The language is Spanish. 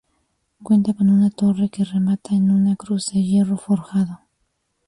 Cuenta con una torre que remata en una cruz de hierro forjado.